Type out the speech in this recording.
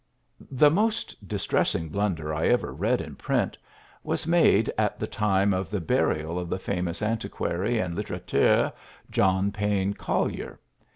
'" The most distressing blunder I ever read in print was made at the time of the burial of the famous antiquary and litterateur, John Payne Collier.